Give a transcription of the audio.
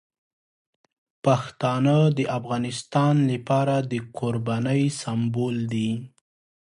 پښتانه د افغانستان لپاره د قربانۍ سمبول دي.